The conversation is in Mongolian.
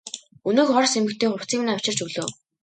Өнөөх орос эмэгтэй хувцсыг минь авчирч өглөө.